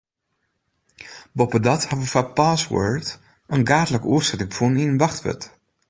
Boppedat ha we foar password in gaadlike oersetting fûn yn wachtwurd.